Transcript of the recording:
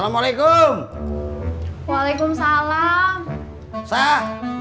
ibu mépik dumped bermain di seluruh bangunan